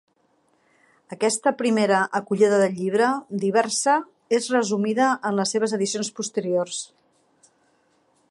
Aquesta primera acollida del llibre, diversa, és resumida en les seves edicions posteriors.